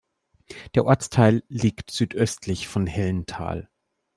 Der Ortsteil liegt südöstlich von Hellenthal.